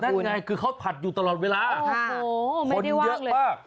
ยังไงคือเขาถัดอยู่ตลอดเวลาคนเยอะมาก